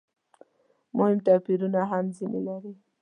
مهم توپیرونه هم ځنې لري.